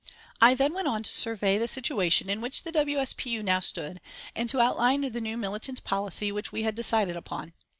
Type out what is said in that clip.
I then went on to survey the situation in which the W. S. P. U. now stood and to outline the new militant policy which he had decided upon.